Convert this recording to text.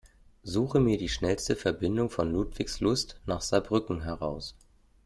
Suche mir die schnellste Verbindung von Ludwigslust nach Saarbrücken heraus.